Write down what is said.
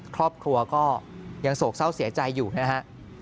ครอบครัวก็ยังโศกเศร้าเสียใจอยู่นะฮะ